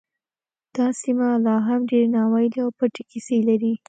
دا سیمه لا هم ډیرې ناوییلې او پټې کیسې لري